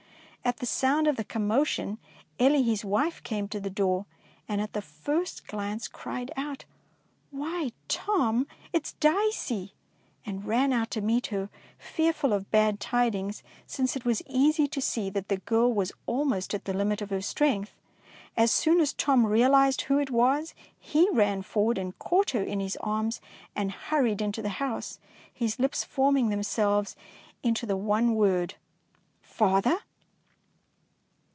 At the sound of the commotion Elie, his wife, came to the door, and at the first glance cried out, — ''Why, Tom, ^tis Dicey!'' and ran out to meet her, fearful of bad tidings, since it was easy to see that the girl was almost at the limit of her strength. As soon as Tom realised who it was, he ran forward and caught her in his arms, and hurried into the house, his lips forming themselves into the one word, " Father?"